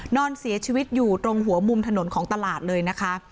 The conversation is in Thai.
นอนเสียชีวิตอยู่ตรงหัวมุมถนนของตลาดเลยนะคะ